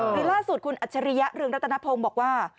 คือล่าสุดคุณอัจฉริยะเรืองรัตนพงศ์บอกว่า